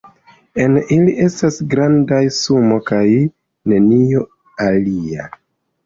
En ili estis granda sumo kaj nenio alia.